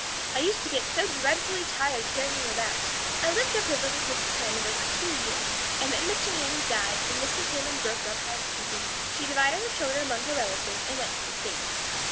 I used to get so dreadfully tired carrying them about. "I lived up river with Mrs. Hammond over two years, and then Mr. Hammond died and Mrs. Hammond broke up housekeeping. She divided her children among her relatives and went to the States.